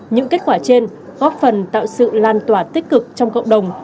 những kết quả trên góp phần tạo sự lan tỏa tích cực trong cộng đồng